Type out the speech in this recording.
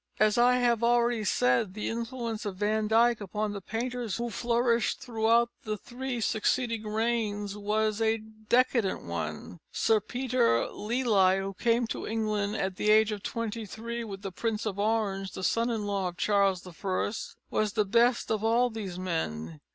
As I have already said, the influence of Van Dyck upon the painters who flourished throughout the three succeeding reigns was a decadent one. Sir Peter Lely, who came to England, at the age of twenty three, with the Prince of Orange, the son in law of Charles I., was the best of all these men.